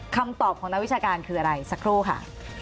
คำตอบของนักวิชาการคืออะไรสักครู่ค่ะ